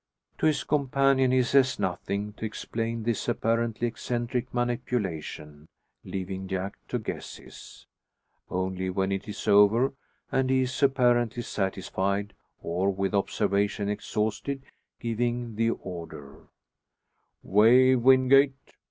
To his companion he says nothing to explain this apparently eccentric manipulation, leaving Jack to guesses. Only when it is over, and he is apparently satisfied, or with observation exhausted, giving the order, "Way, Wingate!